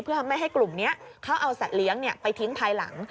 เพื่อไม่ให้กลุ่มนี้เขาเอาสัตว์เลี้ยงไปทิ้งภายหลัง